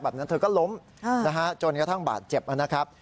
นั้นเธอก็ล้มจนกระทั่งบาดเจ็บนะครับ